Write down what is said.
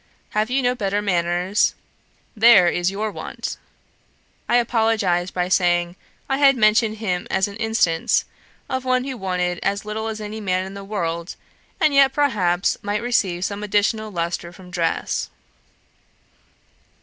Have you no better manners? There is your want.' I apologised by saying, I had mentioned him as an instance of one who wanted as little as any man in the world, and yet, perhaps, might receive some additional lustre from dress.